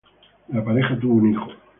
La pareja tuvo un hijo.